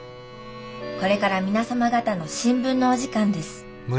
これから皆様方の新聞のお時間です。